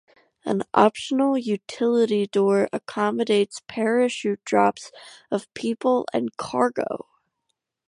An optional utility door accommodates parachute drops of people and cargo.